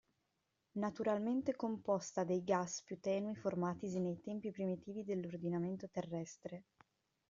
Naturalmente composta dei gas più tenui formatisi nei tempi primitivi dell'ordinamento terrestre.